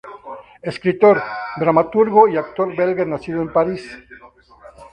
Escritor, dramaturgo y actor belga nacido en París.